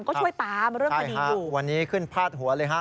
ก็ช่วยตามเรื่องคดีอยู่วันนี้ขึ้นพาดหัวเลยฮะ